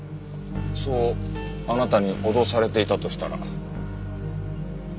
そうあなたに脅されていたとしたら。